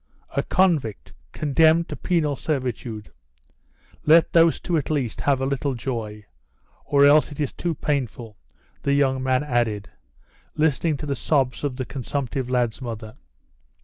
"A convict, condemned to penal servitude. Let those two at least have a little joy, or else it is too painful," the young man added, listening to the sobs of the consumptive lad's mother.